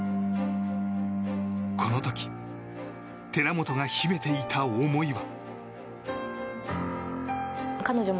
この時寺本が秘めていた思いとは。